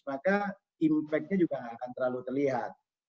maka impact nya juga tidak akan terlalu terlihat